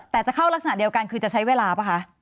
แต่จะเข้ารักษณะเดียวกันคือจะใช้เวลาป่ะคะ